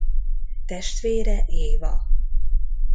Testvére Éva.